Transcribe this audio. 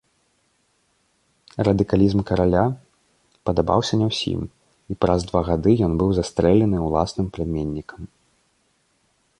Радыкалізм караля падабаўся не ўсім і праз два гады ён быў застрэлены ўласным пляменнікам.